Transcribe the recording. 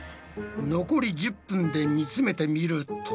残り１０分で煮詰めてみると。